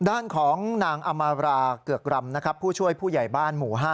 ด้านของนางอมาราเกือกรำนะครับผู้ช่วยผู้ใหญ่บ้านหมู่๕